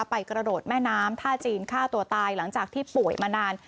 กระโดดแม่น้ำท่าจีนฆ่าตัวตายหลังจากที่ป่วยมานาน